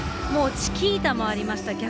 もうチキータもありました